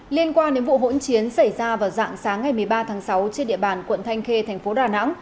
liên quan đến vụ hỗn chiến xảy ra vào dạng sáng ngày một mươi ba tháng sáu trên địa bàn quận thanh khê thành phố đà nẵng